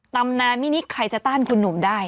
ตำนานมินิใครจะต้านคุณหนุ่มได้